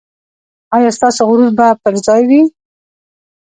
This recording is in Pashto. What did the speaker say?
ایا ستاسو غرور به پر ځای وي؟